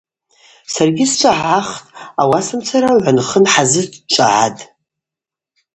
Саргьи счӏвагӏгӏахтӏ – ауасамца гӏван-хын хӏазычӏвагӏгӏатӏ.